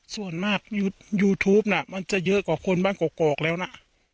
ส่วนมากยูทูปน่ะมันจะเยอะกว่าคนบ้านกอกแล้วนะ